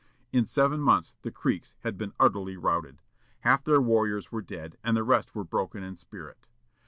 In seven months the Creeks had been utterly routed; half their warriors were dead, and the rest were broken in spirit.